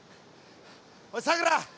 おいさくら